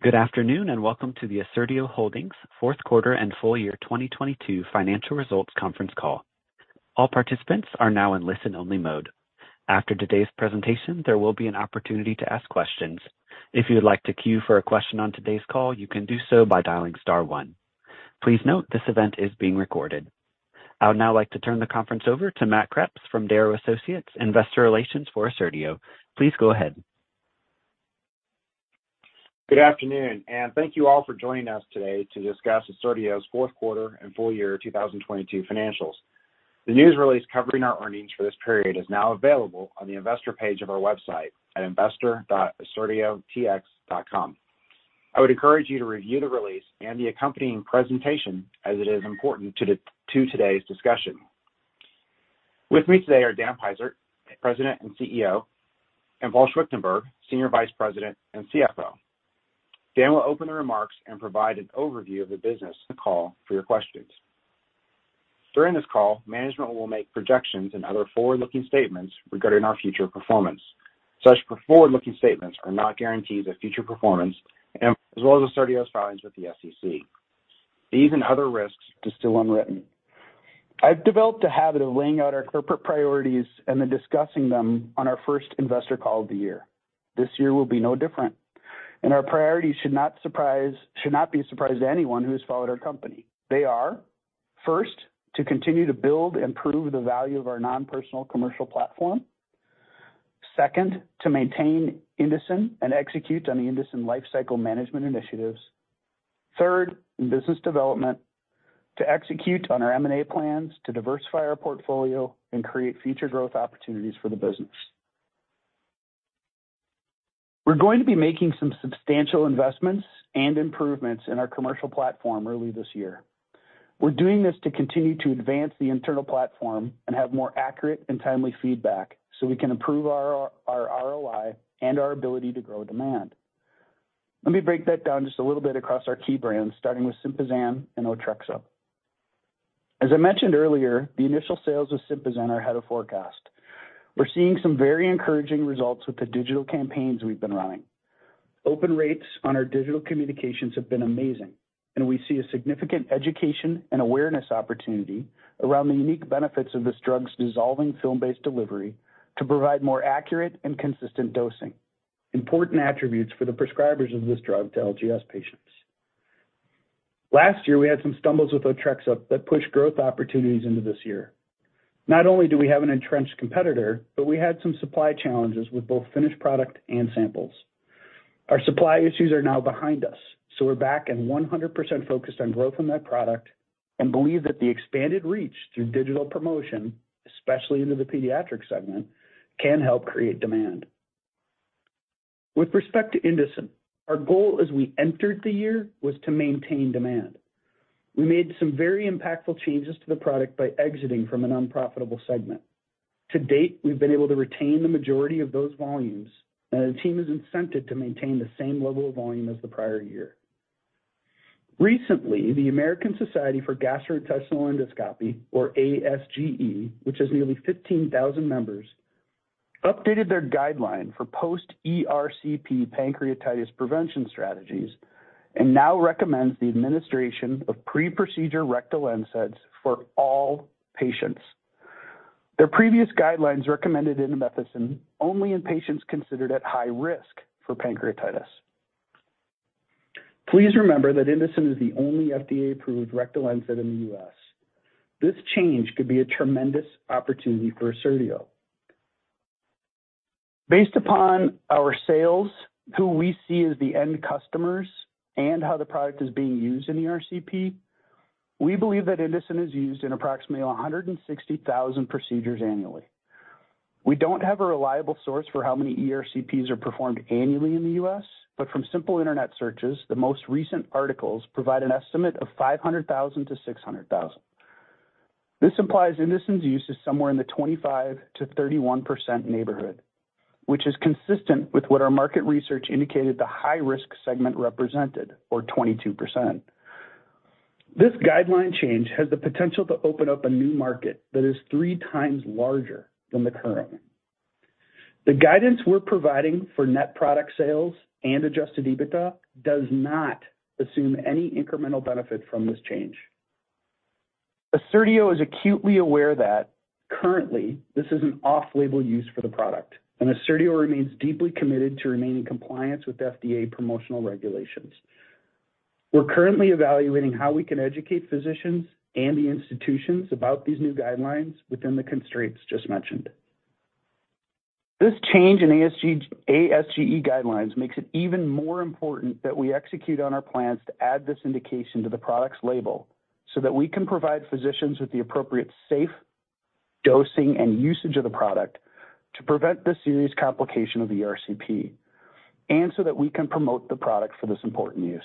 Good afternoon, welcome to the Assertio Holdings Fourth Quarter and Full Year 2022 Financial Results Conference Call. All participants are now in listen-only mode. After today's presentation, there will be an opportunity to ask questions. If you would like to queue for a question on today's call, you can do so by dialing star one. Please note, this event is being recorded. I would now like to turn the conference over to Matt Kreps from Darrow Associates, investor relations for Assertio. Please go ahead. Good afternoon. Thank you all for joining us today to discuss Assertio's fourth quarter and full year 2022 financials. The news release covering our earnings for this period is now available on the investor page of our website at investor.assertiotx.com. I would encourage you to review the release and the accompanying presentation as it is important to today's discussion. With me today are Dan Peisert, President and CEO, and Paul Schwichtenberg, Senior Vice President and CFO. Dan will open the remarks and provide an overview of the business in the call for your questions. During this call, management will make projections and other forward-looking statements regarding our future performance. Such forward-looking statements are not guarantees of future performance and as well as Assertio's filings with the SEC. These and other risks are still unwritten. I've developed a habit of laying out our corporate priorities and then discussing them on our first investor call of the year. This year will be no different. Our priorities should not be a surprise to anyone who has followed our company. They are, first, to continue to build and prove the value of our non-personal commercial platform. Second, to maintain Indocin and execute on the Indocin lifecycle management initiatives. Third, in business development, to execute on our M&A plans to diversify our portfolio and create future growth opportunities for the business. We're going to be making some substantial investments and improvements in our commercial platform early this year. We're doing this to continue to advance the internal platform and have more accurate and timely feedback. We can improve our ROI and our ability to grow demand. Let me break that down just a little bit across our key brands, starting with Sympazan and Otrexup. As I mentioned earlier, the initial sales of Sympazan are ahead of forecast. We're seeing some very encouraging results with the digital campaigns we've been running. Open rates on our digital communications have been amazing. We see a significant education and awareness opportunity around the unique benefits of this drug's dissolving film-based delivery to provide more accurate and consistent dosing, important attributes for the prescribers of this drug to LGS patients. Last year, we had some stumbles with Otrexup that pushed growth opportunities into this year. Not only do we have an entrenched competitor, we had some supply challenges with both finished product and samples. Our supply issues are now behind us, we're back and 100% focused on growth in that product and believe that the expanded reach through digital promotion, especially into the pediatric segment, can help create demand. With respect to Indocin, our goal as we entered the year was to maintain demand. We made some very impactful changes to the product by exiting from an unprofitable segment. To date, we've been able to retain the majority of those volumes, and the team is incented to maintain the same level of volume as the prior year. Recently, the American Society for Gastrointestinal Endoscopy, or ASGE, which has nearly 15,000 members, updated their guideline for post-ERCP pancreatitis prevention strategies and now recommends the administration of pre-procedure rectal NSAIDs for all patients. Their previous guidelines recommended indomethacin only in patients considered at high risk for pancreatitis. Please remember that Indocin is the only FDA-approved rectal NSAID in the U.S. This change could be a tremendous opportunity for Assertio. Based upon our sales, who we see as the end customers, and how the product is being used in ERCP, we believe that Indocin is used in approximately 160,000 procedures annually. We don't have a reliable source for how many ERCPs are performed annually in the U.S., from simple internet searches, the most recent articles provide an estimate of 500,000-600,000. This implies Indocin's use is somewhere in the 25%-31% neighborhood, which is consistent with what our market research indicated the high-risk segment represented, or 22%. This guideline change has the potential to open up a new market that is three times larger than the current. The guidance we're providing for net product sales and adjusted EBITDA does not assume any incremental benefit from this change. Assertio is acutely aware that currently this is an off-label use for the product. Assertio remains deeply committed to remain in compliance with FDA promotional regulations. We're currently evaluating how we can educate physicians and the institutions about these new guidelines within the constraints just mentioned. This change in ASGE guidelines makes it even more important that we execute on our plans to add this indication to the product's label so that we can provide physicians with the appropriate safe dosing and usage of the product to prevent this serious complication of ERCP and so that we can promote the product for this important use.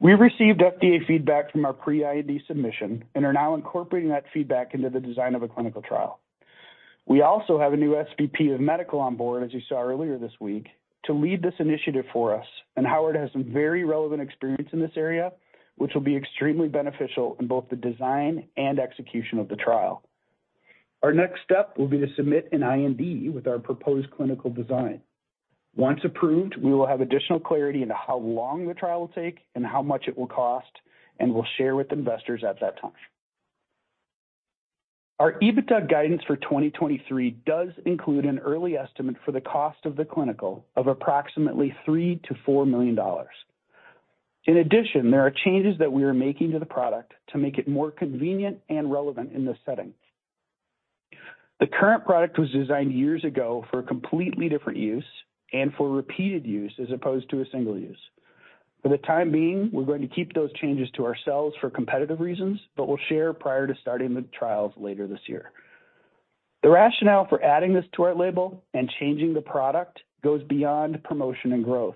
We received FDA feedback from our pre-IDE submission and are now incorporating that feedback into the design of a clinical trial. We also have a new SVP of medical on board, as you saw earlier this week, to lead this initiative for us. Howard has some very relevant experience in this area, which will be extremely beneficial in both the design and execution of the trial. Our next step will be to submit an IND with our proposed clinical design. Once approved, we will have additional clarity into how long the trial will take and how much it will cost. We'll share with investors at that time. Our EBITDA guidance for 2023 does include an early estimate for the cost of the clinical of approximately $3 million-$4 million. There are changes that we are making to the product to make it more convenient and relevant in this setting. The current product was designed years ago for a completely different use and for repeated use as opposed to a single use. For the time being, we're going to keep those changes to ourselves for competitive reasons, but we'll share prior to starting the trials later this year. The rationale for adding this to our label and changing the product goes beyond promotion and growth.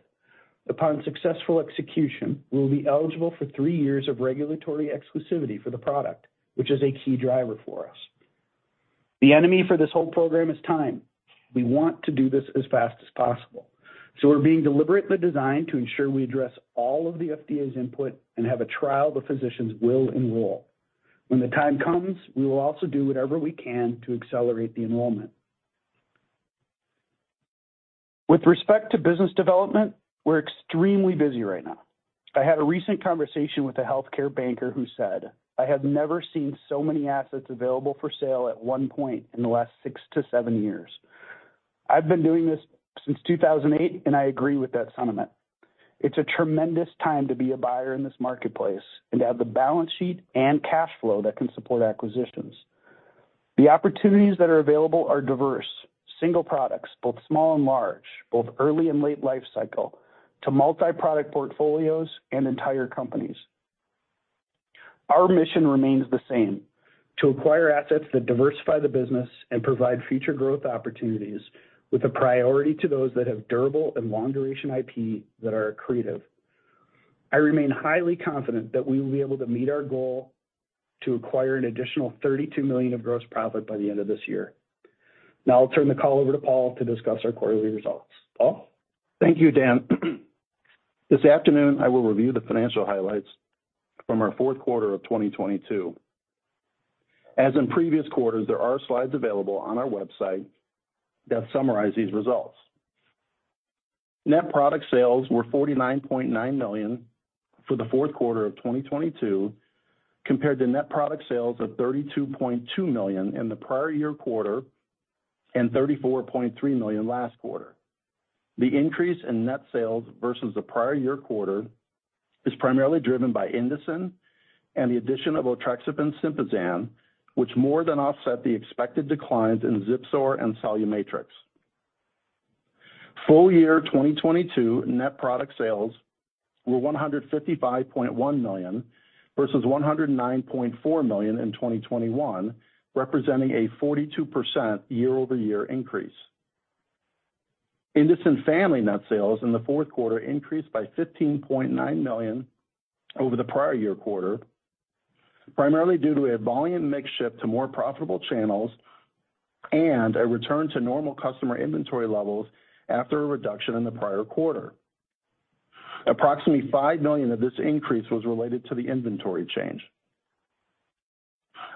Upon successful execution, we will be eligible for three years of regulatory exclusivity for the product, which is a key driver for us. The enemy for this whole program is time. We want to do this as fast as possible, so we're being deliberate in the design to ensure we address all of the FDA's input and have a trial the physicians will enroll. When the time comes, we will also do whatever we can to accelerate the enrollment. With respect to business development, we're extremely busy right now. I had a recent conversation with a healthcare banker who said, "I have never seen so many assets available for sale at one point in the last six to seven years." I've been doing this since 2008. I agree with that sentiment. It's a tremendous time to be a buyer in this marketplace and to have the balance sheet and cash flow that can support acquisitions. The opportunities that are available are diverse. Single products, both small and large, both early and late life cycle, to multi-product portfolios and entire companies. Our mission remains the same: to acquire assets that diversify the business and provide future growth opportunities with a priority to those that have durable and long-duration IP that are accretive. I remain highly confident that we will be able to meet our goal to acquire an additional $32 million of gross profit by the end of this year. I'll turn the call over to Paul to discuss our quarterly results. Paul? Thank you, Dan. This afternoon, I will review the financial highlights from our fourth quarter of 2022. As in previous quarters, there are slides available on our website that summarize these results. Net product sales were $49.9 million for the fourth quarter of 2022 compared to net product sales of $32.2 million in the prior year quarter and $34.3 million last quarter. The increase in net sales versus the prior year quarter is primarily driven by Indocin and the addition of Otrexup and Sympazan, which more than offset the expected declines in Zipsor and SoluMatrix. Full year 2022 net product sales were $155.1 million versus $109.4 million in 2021, representing a 42% year-over-year increase. Indocin family net sales in the fourth quarter increased by $15.9 million over the prior year quarter, primarily due to a volume mix shift to more profitable channels and a return to normal customer inventory levels after a reduction in the prior quarter. Approximately $5 million of this increase was related to the inventory change.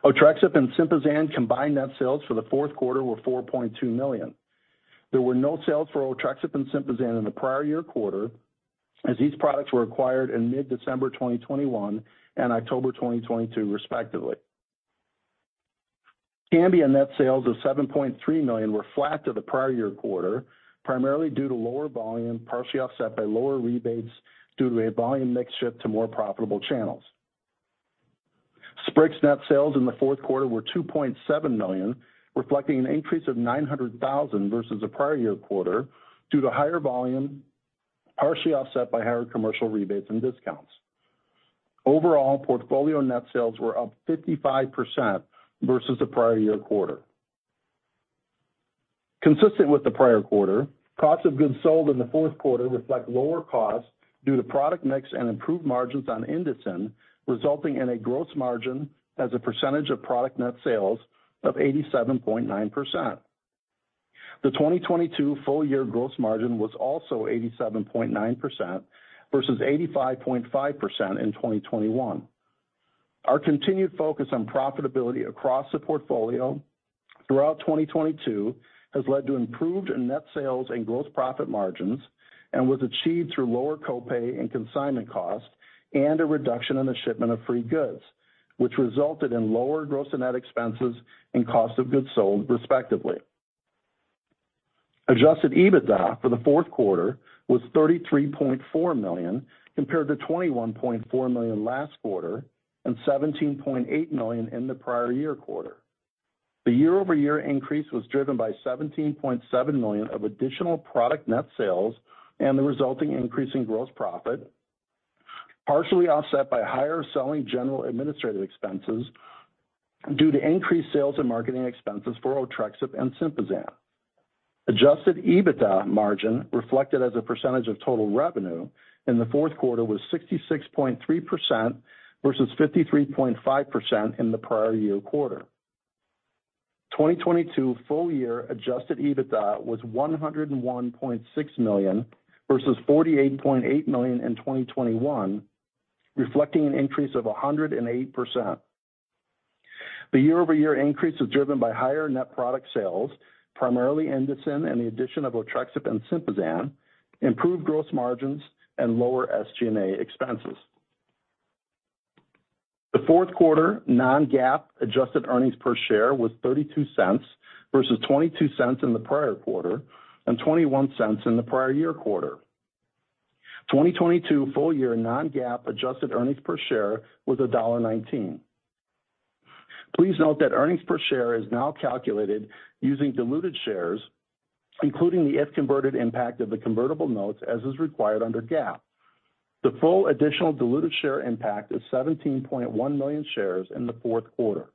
Otrexup and Sympazan combined net sales for the fourth quarter were $4.2 million. There were no sales for Otrexup and Sympazan in the prior year quarter as these products were acquired in mid-December 2021 and October 2022 respectively. Cambia net sales of $7.3 million were flat to the prior year quarter, primarily due to lower volume, partially offset by lower rebates due to a volume mix shift to more profitable channels. Sprix net sales in the fourth quarter were $2.7 million, reflecting an increase of $900,000 versus the prior year quarter due to higher volume, partially offset by higher commercial rebates and discounts. Overall, portfolio net sales were up 55% versus the prior year quarter. Consistent with the prior quarter, cost of goods sold in the fourth quarter reflect lower costs due to product mix and improved margins on Indocin, resulting in a gross margin as a percentage of product net sales of 87.9%. The 2022 full year gross margin was also 87.9% versus 85.5% in 2021. Our continued focus on profitability across the portfolio throughout 2022 has led to improved net sales and gross profit margins and was achieved through lower co-pay and consignment costs and a reduction in the shipment of free goods, which resulted in lower gross and net expenses and cost of goods sold, respectively. Adjusted EBITDA for the fourth quarter was $33.4 million compared to $21.4 million last quarter and $17.8 million in the prior year quarter. The year-over-year increase was driven by $17.7 million of additional product net sales and the resulting increase in gross profit, partially offset by higher selling general administrative expenses due to increased sales and marketing expenses for Otrexup and Sympazan. Adjusted EBITDA margin reflected as a percentage of total revenue in the fourth quarter was 66.3% versus 53.5% in the prior year quarter. 2022 full year adjusted EBITDA was $101.6 million versus $48.8 million in 2021. Reflecting an increase of 108%. The year-over-year increase was driven by higher net product sales, primarily Indocin and the addition of Otrexup and Sympazan, improved gross margins and lower SG&A expenses. The fourth quarter non-GAAP adjusted earnings per share was $0.32 versus $0.22 in the prior quarter and $0.21 in the prior year quarter. 2022 full year non-GAAP adjusted earnings per share was $1.19. Please note that earnings per share is now calculated using diluted shares, including the if converted impact of the convertible notes, as is required under GAAP. The full additional diluted share impact is $17.1 million shares in the fourth quarter.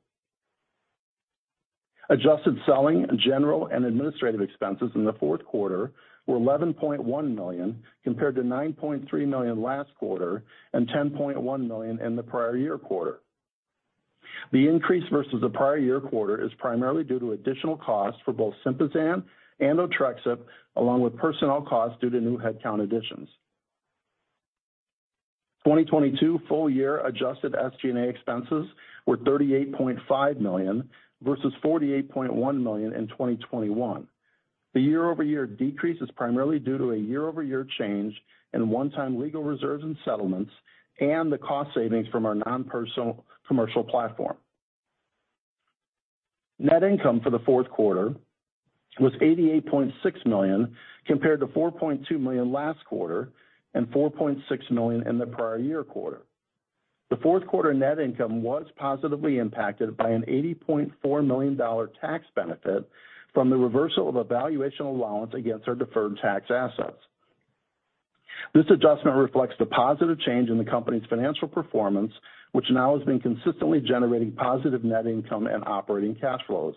Adjusted selling, general and administrative expenses in the fourth quarter were $11.1 million compared to $9.3 million last quarter and $10.1 million in the prior year quarter. The increase versus the prior year quarter is primarily due to additional costs for both Sympazan and Otrexup, along with personnel costs due to new headcount additions. 2022 full year adjusted SG&A expenses were $38.5 million versus $48.1 million in 2021. The year-over-year decrease is primarily due to a year-over-year change in one-time legal reserves and settlements and the cost savings from our non-personal commercial platform. Net income for the fourth quarter was $88.6 million compared to $4.2 million last quarter and $4.6 million in the prior year quarter. The fourth quarter net income was positively impacted by an $80.4 million tax benefit from the reversal of a valuation allowance against our deferred tax assets. This adjustment reflects the positive change in the company's financial performance, which now has been consistently generating positive net income and operating cash flows.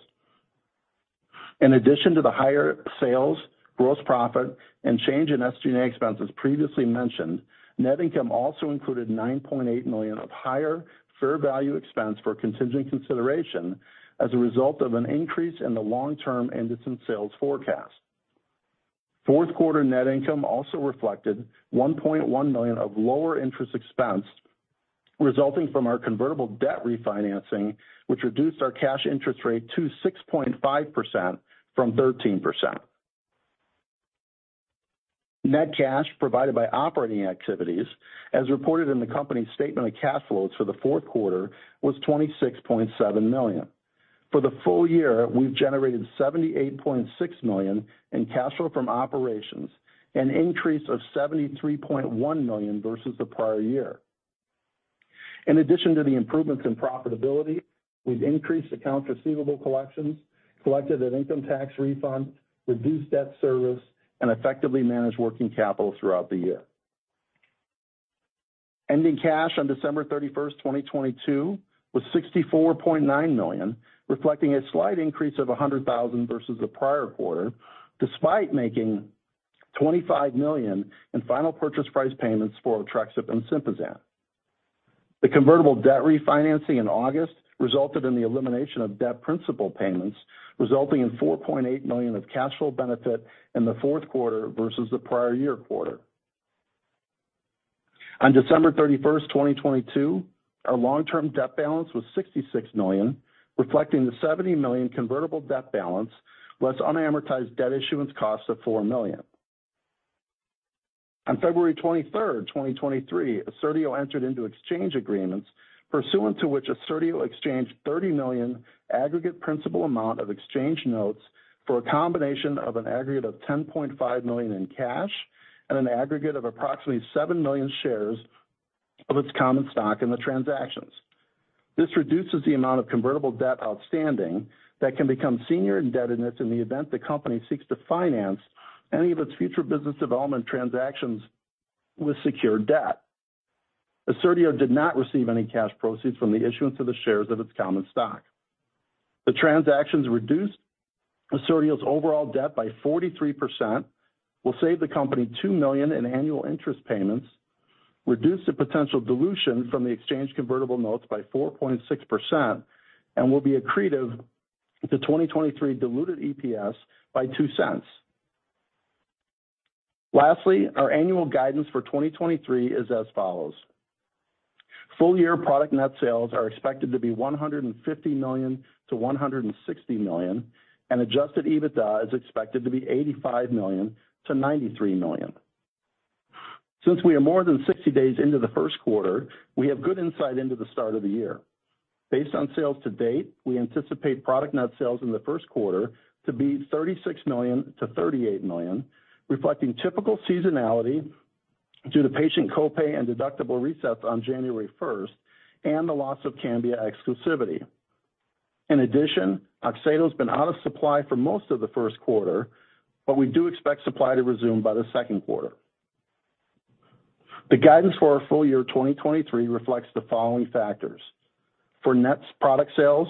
In addition to the higher sales, gross profit and change in SG&A expenses previously mentioned, net income also included $9.8 million of higher fair value expense for contingent consideration as a result of an increase in the long-term Indocin sales forecast. Fourth quarter net income also reflected $1.1 million of lower interest expense resulting from our convertible debt refinancing, which reduced our cash interest rate to 6.5% from 13%. Net cash provided by operating activities as reported in the company's statement of cash flows for the fourth quarter was $26.7 million. For the full year, we've generated $78.6 million in cash flow from operations, an increase of $73.1 million versus the prior year. In addition to the improvements in profitability, we've increased account receivable collections, collected an income tax refund, reduced debt service, and effectively managed working capital throughout the year. Ending cash on December 31st, 2022 was $64.9 million, reflecting a slight increase of $100,000 versus the prior quarter, despite making $25 million in final purchase price payments for Otrexup and Sympazan. The convertible debt refinancing in August resulted in the elimination of debt principal payments, resulting in $4.8 million of cash flow benefit in the fourth quarter versus the prior year quarter. On December 31, 2022, our long-term debt balance was $66 million, reflecting the $70 million convertible debt balance, less unamortized debt issuance cost of $4 million. On February 23, 2023, Assertio entered into exchange agreements pursuant to which Assertio exchanged $30 million aggregate principal amount of exchange notes for a combination of an aggregate of $10.5 million in cash and an aggregate of approximately $7 million shares of its common stock in the transactions. This reduces the amount of convertible debt outstanding that can become senior indebtedness in the event the company seeks to finance any of its future business development transactions with secured debt. Assertio did not receive any cash proceeds from the issuance of the shares of its common stock. The transactions reduced Assertio's overall debt by 43%, will save the company $2 million in annual interest payments, reduce the potential dilution from the exchange convertible notes by 4.6% and will be accretive to 2023 diluted EPS by $0.02. Lastly, our annual guidance for 2023 is as follows. Full year product net sales are expected to be $150 million-$160 million, and adjusted EBITDA is expected to be $85 million-$93 million. Since we are more than 60 days into the first quarter, we have good insight into the start of the year. Based on sales to date, we anticipate product net sales in the first quarter to be $36 million-$38 million, reflecting typical seasonality due to patient co-pay and deductible resets on January 1 and the loss of Cambia exclusivity. In addition, Oxaydo's been out of supply for most of the first quarter, but we do expect supply to resume by the second quarter. The guidance for our full year 2023 reflects the following factors: For net product sales,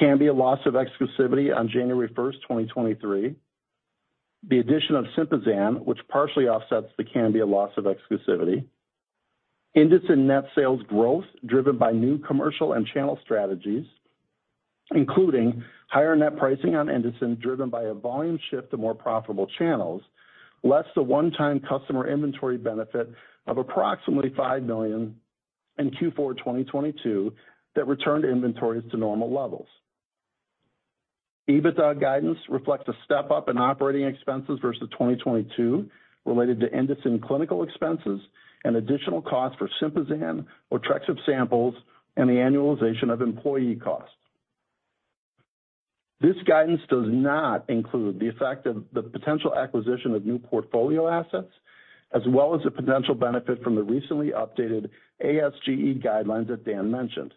Cambia loss of exclusivity on January first, 2023, the addition of Sympazan, which partially offsets the Cambia loss of exclusivity, Indocin net sales growth driven by new commercial and channel strategies. Including higher net pricing on Indocin driven by a volume shift to more profitable channels, less the one time customer inventory benefit of approximately $5 million in Q4 2022 that returned inventories to normal levels. EBITDA guidance reflects a step-up in operating expenses versus 2022 related to Indocin clinical expenses and additional costs for Sympazan or Otrexup samples and the annualization of employee costs. This guidance does not include the effect of the potential acquisition of new portfolio assets as well as the potential benefit from the recently updated ASGE guidelines that Dan mentioned.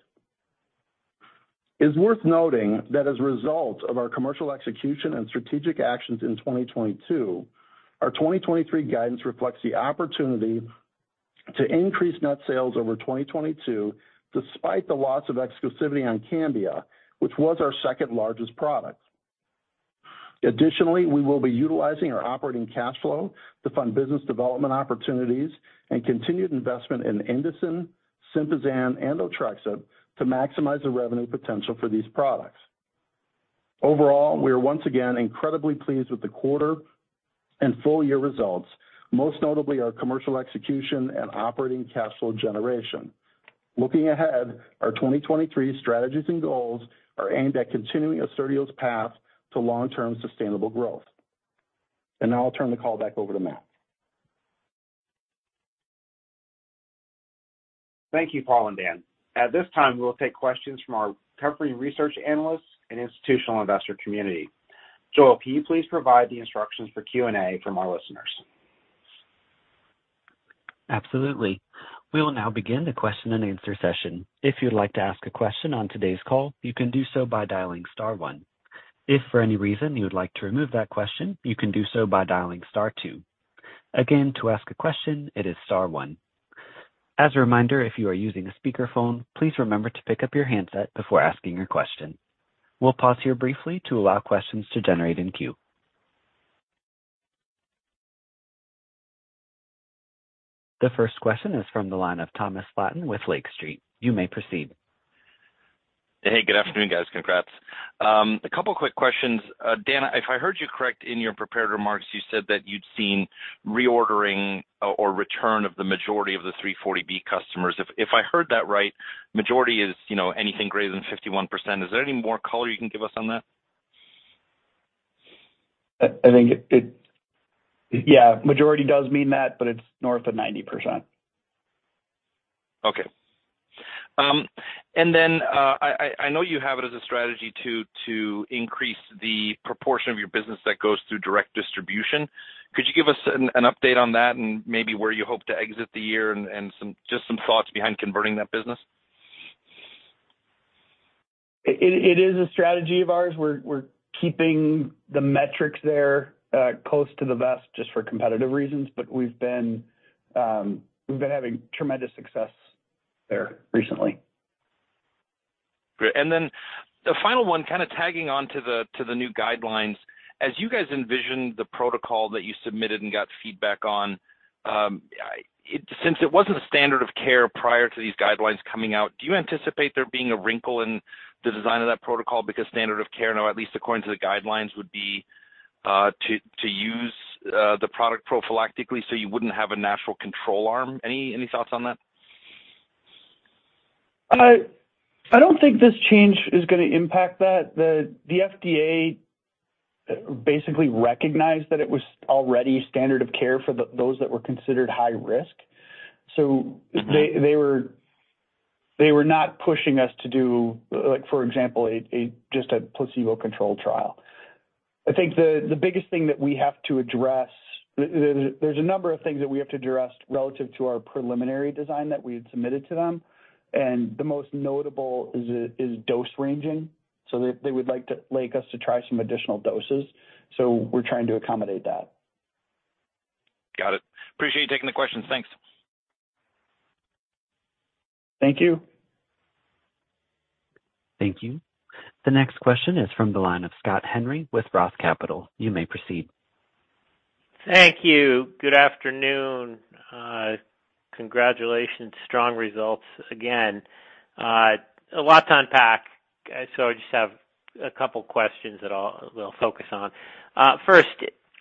It's worth noting that as a result of our commercial execution and strategic actions in 2022, our 2023 guidance reflects the opportunity to increase net sales over 2022 despite the loss of exclusivity on Cambia, which was our second-largest product. We will be utilizing our operating cash flow to fund business development opportunities and continued investment in Indocin, Sympazan and Otrexup to maximize the revenue potential for these products. Overall, we are once again incredibly pleased with the quarter and full year results, most notably our commercial execution and operating cash flow generation. Looking ahead, our 2023 strategies and goals are aimed at continuing Assertio's path to long-term sustainable growth. Now I'll turn the call back over to Matt. Thank you, Paul and Dan. At this time, we'll take questions from our covering research analysts and institutional investor community. Joel, can you please provide the instructions for Q&A from our listeners? Absolutely. We will now begin the question and answer session. If you'd like to ask a question on today's call, you can do so by dialing star one. If for any reason you would like to remove that question, you can do so by dialing star two. Again, to ask a question, it is star one. As a reminder, if you are using a speakerphone, please remember to pick up your handset before asking your question. We'll pause here briefly to allow questions to generate in queue. The first question is from the line of Thomas Flaten with Lake Street. You may proceed. Hey, good afternoon, guys. Congrats. A couple quick questions. Dan, if I heard you correct in your prepared remarks, you said that you'd seen reordering or return of the majority of the 340B customers. If I heard that right, majority is, you know, anything greater than 51%. Is there any more color you can give us on that? I think. Yeah, majority does mean that, but it's north of 90%. Okay. I know you have it as a strategy to increase the proportion of your business that goes through direct distribution. Could you give us an update on that and maybe where you hope to exit the year just some thoughts behind converting that business? It is a strategy of ours. We're keeping the metrics there close to the vest just for competitive reasons. We've been having tremendous success there recently. Great. The final one, kind of tagging on to the new guidelines. As you guys envisioned the protocol that you submitted and got feedback on, since it wasn't standard of care prior to these guidelines coming out, do you anticipate there being a wrinkle in the design of that protocol because standard of care now, at least according to the guidelines, would be to use the product prophylactically so you wouldn't have a natural control arm? Any thoughts on that? I don't think this change is gonna impact that. The FDA basically recognized that it was already standard of care for those that were considered high risk. They were not pushing us to do, like, for example, just a placebo-controlled trial. I think the biggest thing that we have to address. There's a number of things that we have to address relative to our preliminary design that we had submitted to them. The most notable is dose ranging. They would like us to try some additional doses. We're trying to accommodate that. Got it. Appreciate you taking the questions. Thanks. Thank you. Thank you. The next question is from the line of Scott Henry with ROTH Capital. You may proceed. Thank you. Good afternoon. Congratulations. Strong results again. A lot to unpack. I just have a couple questions that we'll focus on. First,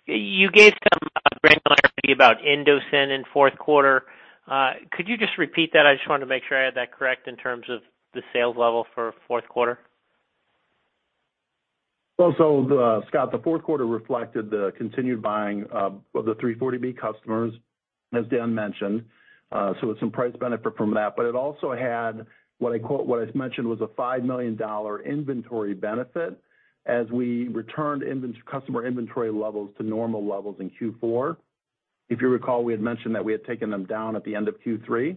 you gave some granularity about Indocin in fourth quarter. Could you just repeat that? I just wanted to make sure I had that correct in terms of the sales level for fourth quarter. Scott, the fourth quarter reflected the continued buying of the 340B customers, as Dan mentioned. It's some price benefit from that. It also had what I mentioned was a $5 million inventory benefit as we returned customer inventory levels to normal levels in Q4. If you recall, we had mentioned that we had taken them down at the end of Q3.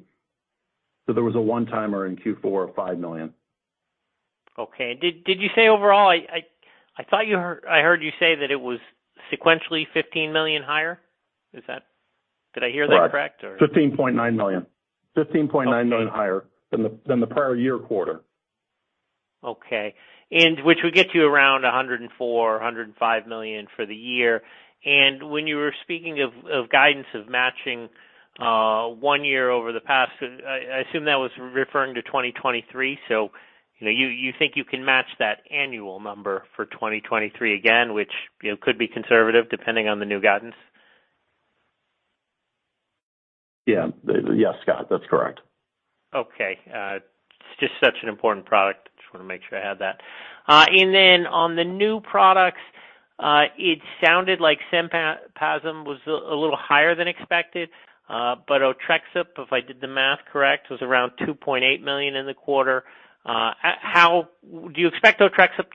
There was a one-timer in Q4 of $5 million. Okay. Did you say overall? I heard you say that it was sequentially $15 million higher. Did I hear that correct? Right. $15.9 million. $15.9 million higher than the prior year quarter. Okay. Which would get you around $104 million-$105 million for the year. When you were speaking of guidance of matching one year over the past, I assume that was referring to 2023. You know, you think you can match that annual number for 2023 again, which, you know, could be conservative depending on the new guidance. Yeah. Yes, Scott, that's correct. Okay. It's just such an important product. Just wanna make sure I had that. On the new products, it sounded like Sympazan was a little higher than expected, but Otrexup, if I did the math correct, was around $2.8 million in the quarter. Do you expect Otrexup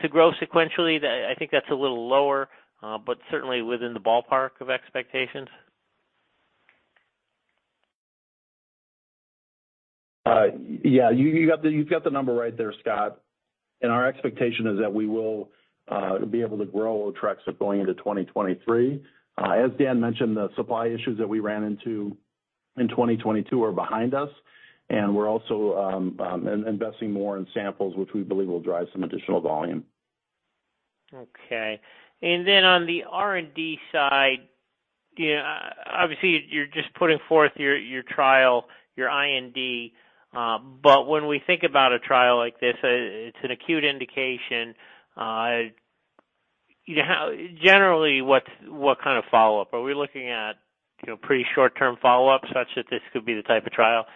to grow sequentially? I think that's a little lower, but certainly within the ballpark of expectations. Yeah. You've got the number right there, Scott. Our expectation is that we will be able to grow Otrexup going into 2023. As Dan mentioned, the supply issues that we ran into in 2022 are behind us, and we're also investing more in samples, which we believe will drive some additional volume. On the R&D side, you know, obviously, you're just putting forth your trial, your IND. When we think about a trial like this, it's an acute indication. You know, generally, what kind of follow-up? Are we looking at, you know, pretty short-term follow-up such that this could be the type of trial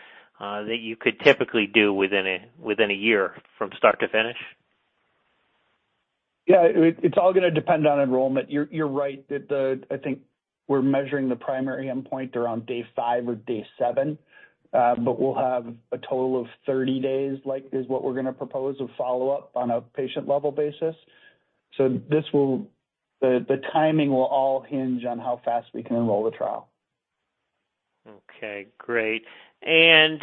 that you could typically do within a year from start to finish? It's all gonna depend on enrollment. You're right that I think we're measuring the primary endpoint around day five or day seven, but we'll have a total of 30 days is what we're gonna propose of follow-up on a patient level basis. The timing will all hinge on how fast we can enroll the trial. Okay, great. I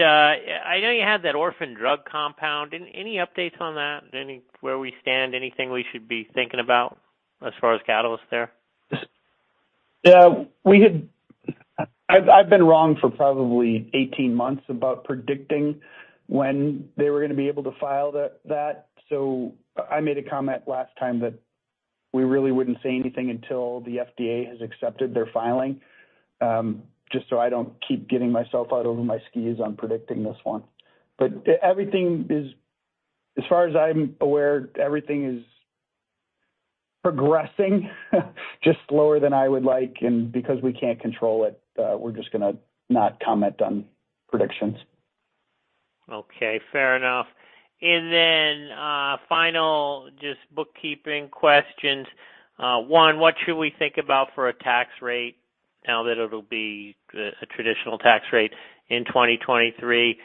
know you had that orphan drug compound. Any updates on that? Any where we stand, anything we should be thinking about as far as catalyst there? Yeah. I've been wrong for probably 18 months about predicting when they were gonna be able to file that, so I made a comment last time that we really wouldn't say anything until the FDA has accepted their filing, just so I don't keep getting myself out over my skis on predicting this one. As far as I'm aware, everything is progressing just slower than I would like. Because we can't control it, we're just gonna not comment on predictions. Okay, fair enough. Then, final just bookkeeping questions. One, what should we think about for a tax rate now that it'll be a traditional tax rate in 2023?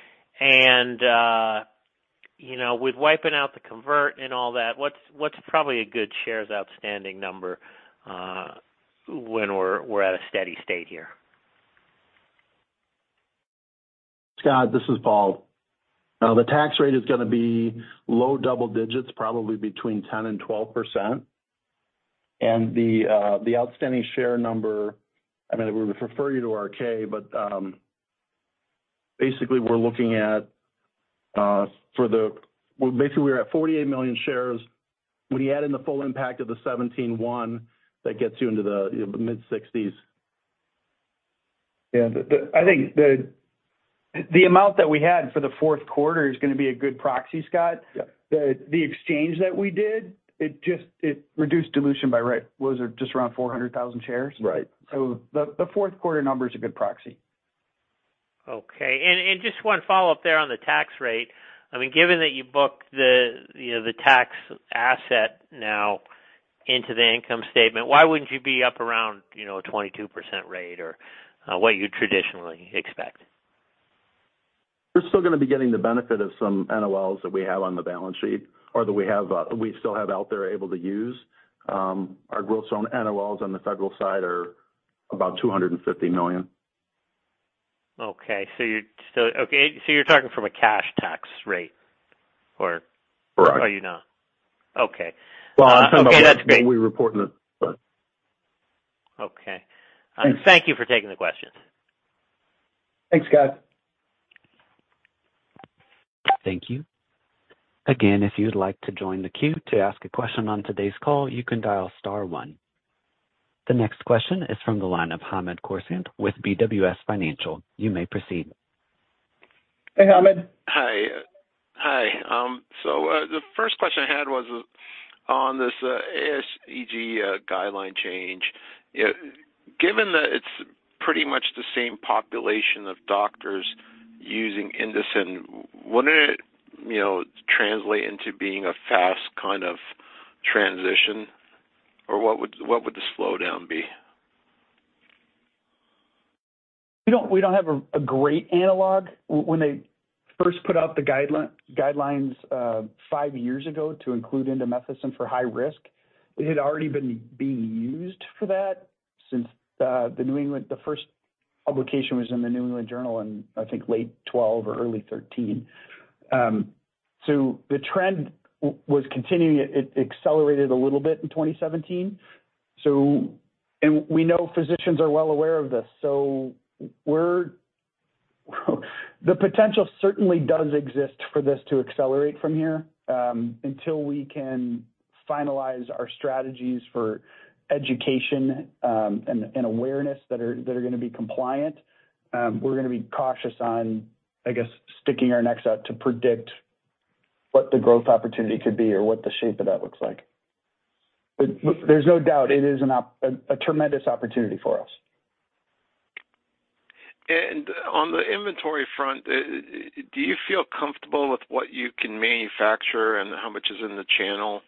You know, with wiping out the convert and all that, what's probably a good shares outstanding number when we're at a steady state here? Scott, this is Paul. The tax rate is gonna be low double digits, probably between 10% and 12%. The outstanding share number, I mean, we would refer you to our K, but basically we're at 48 million shares. When you add in the full impact of the 17-1, that gets you into the, you know, the mid-60s. Yeah. The, I think the amount that we had for the fourth quarter is gonna be a good proxy, Scott. Yeah. The exchange that we did, it reduced dilution by, right, was it just around 400,000 shares? Right. The fourth quarter number is a good proxy. Okay. Just one follow-up there on the tax rate. I mean, given that you booked the, you know, the tax asset now into the income statement, why wouldn't you be up around, you know, a 22% rate or what you'd traditionally expect? We're still gonna be getting the benefit of some NOLs that we have on the balance sheet or that we have, we still have out there able to use. Our gross NOLs on the federal side are about $250 million. Okay, you're talking from a cash tax rate or? Right. Are you not? Okay. Well, it's kind of both... Okay, that's great. the way we report in the... Okay. Thanks. Thank you for taking the questions. Thanks, Scott. Thank you. Again, if you'd like to join the queue to ask a question on today's call, you can dial star one. The next question is from the line of Hamed Khorsand with BWS Financial. You may proceed. Hey, Hamed. Hi. Hi. The first question I had was on this ASGE guideline change. Given that it's pretty much the same population of doctors using Indocin, wouldn't it, you know, translate into being a fast kind of transition? Or what would the slowdown be? We don't have a great analog. When they first put out the guidelines, five years ago to include indomethacin for high risk, it had already been being used for that since the first publication was in the New England Journal in, I think, late 2012 or early 2013. The trend was continuing. It accelerated a little bit in 2017. We know physicians are well aware of this. The potential certainly does exist for this to accelerate from here. Until we can finalize our strategies for education, and awareness that are gonna be compliant, we're gonna be cautious on, I guess, sticking our necks out to predict what the growth opportunity could be or what the shape of that looks like. There's no doubt it is a tremendous opportunity for us. On the inventory front, do you feel comfortable with what you can manufacture and how much is in the channel,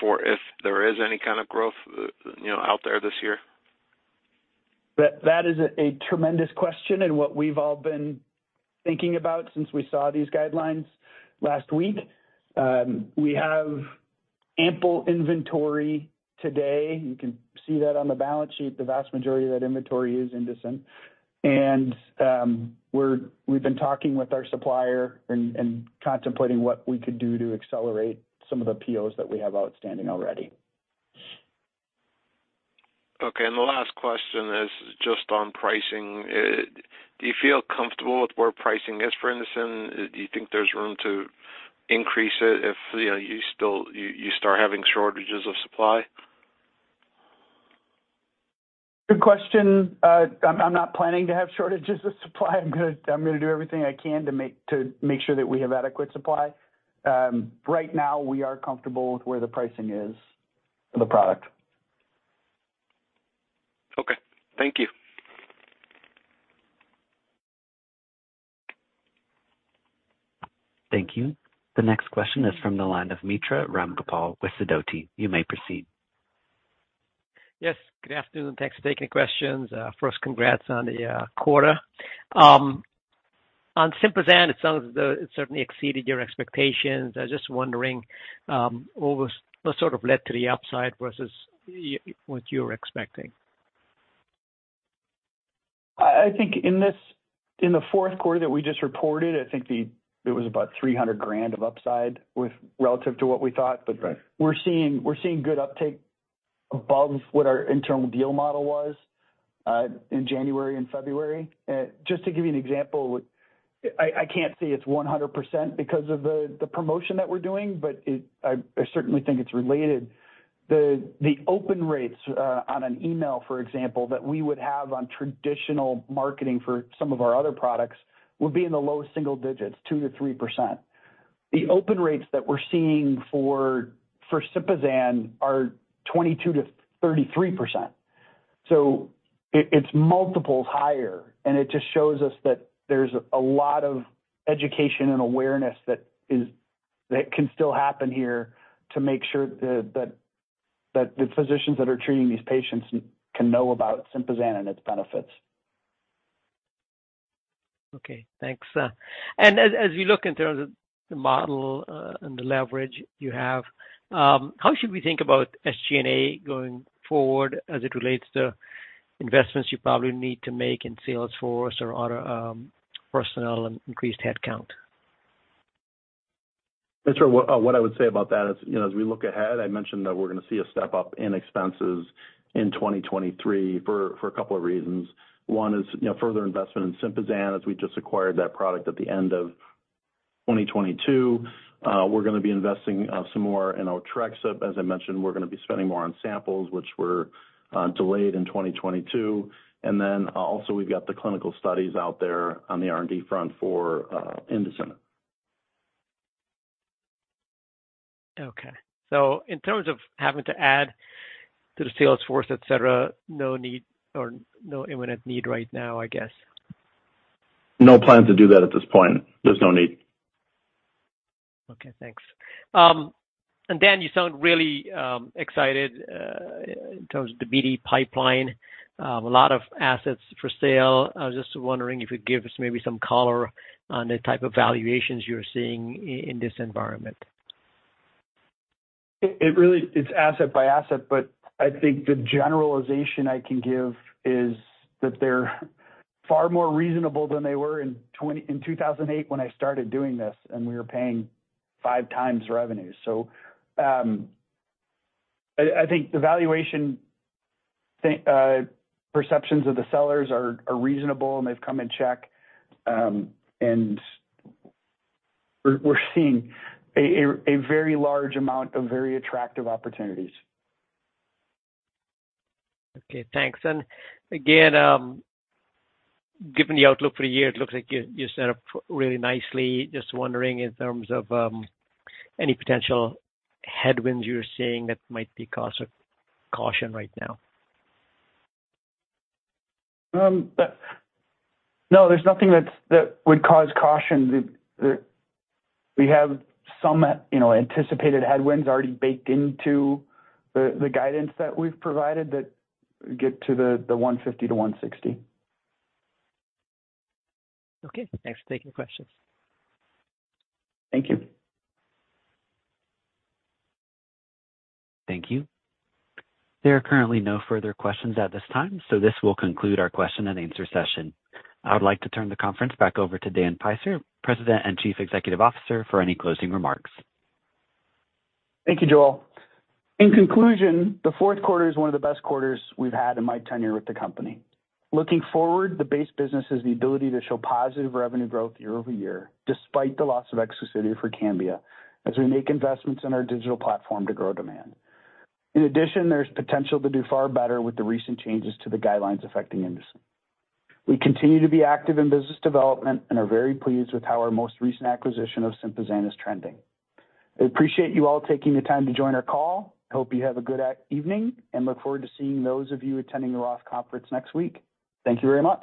for if there is any kind of growth, you know, out there this year? That is a tremendous question, and what we've all been thinking about since we saw these guidelines last week. We have ample inventory today. You can see that on the balance sheet, the vast majority of that inventory is Indocin. We've been talking with our supplier and contemplating what we could do to accelerate some of the POs that we have outstanding already. Okay. The last question is just on pricing. Do you feel comfortable with where pricing is for Indocin? Do you think there's room to increase it if, you know, you start having shortages of supply? Good question. I'm not planning to have shortages of supply. I'm gonna do everything I can to make sure that we have adequate supply. Right now we are comfortable with where the pricing is for the product. Okay. Thank you. Thank you. The next question is from the line of Mitra Ramgopal with Sidoti. You may proceed. Good afternoon. Thanks for taking the questions. First congrats on the quarter. On Sympazan, it sounds as though it certainly exceeded your expectations. I was just wondering, what sort of led to the upside versus what you were expecting? I think in this, in the fourth quarter that we just reported, I think it was about $300,000 of upside with relative to what we thought. Right. We're seeing good uptake above what our internal deal model was in January and February. Just to give you an example, I can't say it's 100% because of the promotion that we're doing, but I certainly think it's related. The open rates on an email, for example, that we would have on traditional marketing for some of our other products would be in the low single digits, 2%-3%. The open rates that we're seeing for Sympazan are 22%-33%. It's multiples higher, and it just shows us that there's a lot of education and awareness that can still happen here to make sure the physicians that are treating these patients can know about Sympazan and its benefits. Okay, thanks. As we look in terms of the model, and the leverage you have, how should we think about SG&A going forward as it relates to investments you probably need to make in sales force or other personnel and increased headcount? Mitra, what I would say about that is, you know, as we look ahead, I mentioned that we're gonna see a step-up in expenses in 2023 for a couple of reasons. One is, you know, further investment in Sympazan as we just acquired that product at the end of 2022. We're gonna be investing some more in Otrexup. As I mentioned, we're gonna be spending more on samples which were delayed in 2022. Also we've got the clinical studies out there on the R&D front for Indocin. Okay. In terms of having to add to the sales force, et cetera, no need or no imminent need right now, I guess. No plans to do that at this point. There's no need. Okay, thanks. Dan, you sound really excited in terms of the BD pipeline, a lot of assets for sale. I was just wondering if you'd give us maybe some color on the type of valuations you're seeing in this environment? It really, it's asset by asset. I think the generalization I can give is that they're far more reasonable than they were in 2008 when I started doing this, and we were paying 5x revenue. I think the valuation perceptions of the sellers are reasonable and they've come in check. We're seeing a very large amount of very attractive opportunities. Okay, thanks. Again, given the outlook for the year, it looks like you set up really nicely. Just wondering in terms of any potential headwinds you're seeing that might be cause of caution right now. No, there's nothing that would cause caution. We have some, you know, anticipated headwinds already baked into the guidance that we've provided that get to the $150 million-$160 million. Okay. Thanks for taking the questions. Thank you. Thank you. There are currently no further questions at this time. This will conclude our question and answer session. I would like to turn the conference back over to Dan Peisert, President and Chief Executive Officer, for any closing remarks. Thank you, Joel. In conclusion, the fourth quarter is one of the best quarters we've had in my tenure with the company. Looking forward, the base business has the ability to show positive revenue growth year-over-year, despite the loss of exclusivity for Cambia, as we make investments in our digital platform to grow demand. In addition, there's potential to do far better with the recent changes to the guidelines affecting Indocin. We continue to be active in business development and are very pleased with how our most recent acquisition of Sympazan is trending. I appreciate you all taking the time to join our call. Hope you have a good evening, and look forward to seeing those of you attending the ROTH Conference next week. Thank you very much.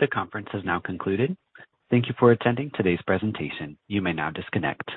The conference has now concluded. Thank you for attending today's presentation. You may now disconnect.